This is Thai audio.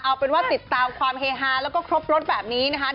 เอาเป็นว่าติดตามความเฮฮาแล้วก็ครบรถแบบนี้นะคะ